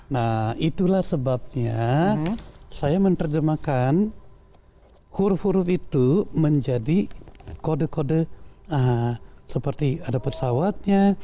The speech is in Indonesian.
nah itulah sebabnya saya menerjemahkan huruf huruf itu menjadi kode kode seperti ada pesawatnya